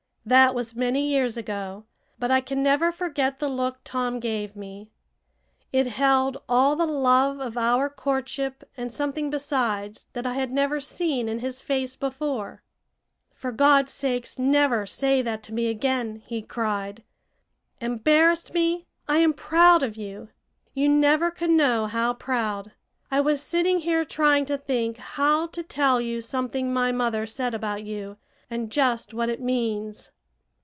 That was many years ago, but I can never forget the look Tom gave me. It held all the love of our courtship and something besides that I had never seen in his face before. "For God's sake, never say that to me again!" he cried. "Embarrassed me! I am proud of you you never can know how proud. I was sitting here trying to think how to tell you something my mother said about you, and just what it means."